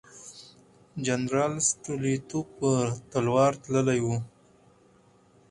جنرال ستولیتوف په تلوار تللی وو.